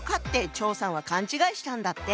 張さんは勘違いしたんだって。